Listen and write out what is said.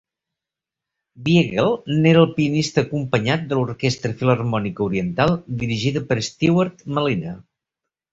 Biegel n'era el pianista, acompanyat de l'Orquestra Filharmònica Oriental dirigida per Stuart Malina.